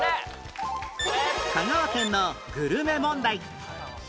香川県のグルメ問題